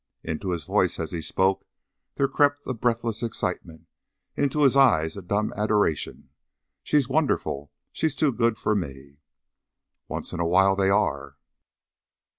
Into his voice, as he spoke, there crept a breathless excitement, into his eyes a dumb adoration. "She's wonderful! She's too good for me." "Once and a while they are."